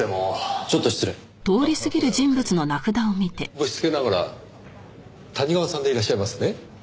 ぶしつけながら谷川さんでいらっしゃいますね？